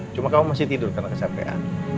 cuma kamu masih tidur karena kesapean